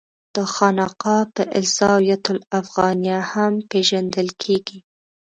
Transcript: دا خانقاه په الزاویة الافغانیه هم پېژندل کېږي.